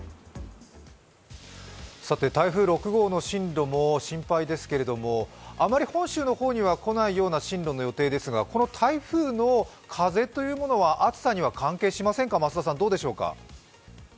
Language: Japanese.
台風６号の進路も心配ですけれども、あまり本州の方には来ないような進路の予定ですがこの台風の風というものは暑さには関係ありませんかどうでしょうか。